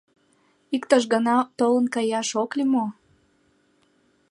Иктаж гана толын каяш ок лий мо?